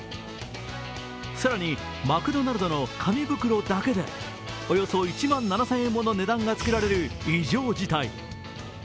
更にマクドナルドの紙袋だけでおよそ１万７０００円もの値段がつけられる異常事態。